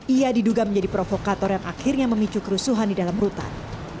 ia diduga menjadi provokator yang akhirnya memicu kerusuhan di dalam rutan